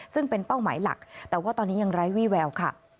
ซึ่งเป็นเป้าหมายหลักแต่ว่าตอนนี้ยังไร้วี่แววค่ะ